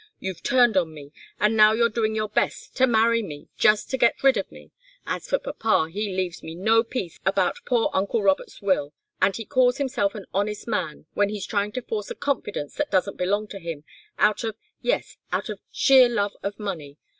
You've turned on me, and now you're doing your best to marry me, just to get rid of me. As for papa, he leaves me no peace about poor uncle Robert's will. And he calls himself an honest man, when he's trying to force a confidence that doesn't belong to him, out of yes out of sheer love of money.